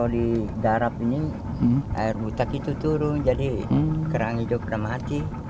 di darap ini air buta itu turun jadi kerang hijau pernah mati